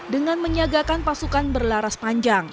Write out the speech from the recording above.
dengan menyiagakan pasukan berlaras panjang